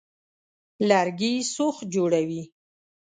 لرګي سوخت جوړوي.